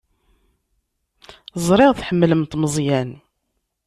Ẓriɣ tḥemmlemt Meẓyan.